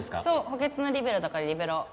補欠のリベロだからリベロウ。